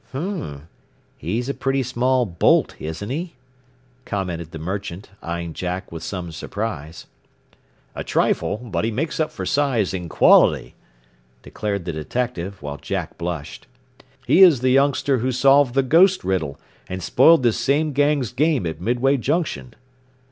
"Hn! He's a pretty small 'bolt,' isn't he?" commented the merchant, eyeing Jack with some surprise. "A trifle; but he makes up for size in quality," declared the detective, while Jack blushed. "He is the youngster who solved the 'ghost' riddle and spoiled this same gang's game at Midway Junction."